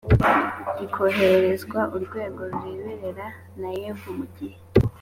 ikohererezwa urwego rureberera naeb mu gihe